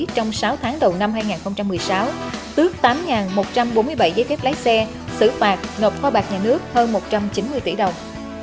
trong sáu tháng đầu năm hai nghìn một mươi sáu tước tám một trăm bốn mươi bảy giấy phép lái xe xử phạt nộp kho bạc nhà nước hơn một trăm chín mươi tỷ đồng